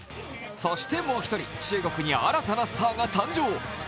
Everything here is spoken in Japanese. そしてもう一人、中国に新たなスターが誕生。